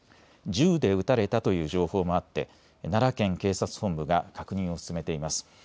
銃で撃たれたという情報もあって奈良県警察本部が確認を進めています。